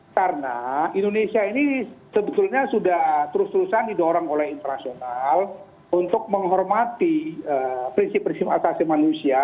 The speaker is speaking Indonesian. karena indonesia ini sebetulnya sudah terus terusan didorong oleh internasional untuk menghormati prinsip prinsip atasi manusia